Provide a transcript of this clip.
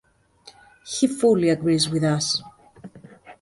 He fully agrees with us.